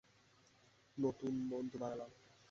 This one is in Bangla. নতুন বন্ধু বানালাম।